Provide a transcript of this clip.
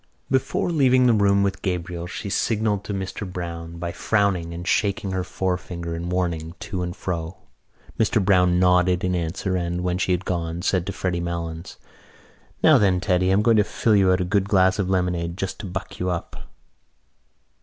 Before leaving the room with Gabriel she signalled to Mr Browne by frowning and shaking her forefinger in warning to and fro. Mr Browne nodded in answer and, when she had gone, said to Freddy Malins: "Now, then, Teddy, I'm going to fill you out a good glass of lemonade just to buck you up."